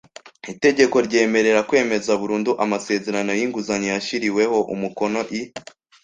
Itegeko ryemerera kwemeza burundu amasezerano y inguzanyo yashyiriweho umukono i